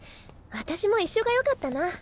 私も一緒が良かったな。